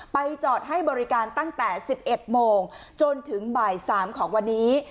ไปจอดให้บริการตั้งแต่๑๑โมงจนถึงบ่าย๓ของวันนี้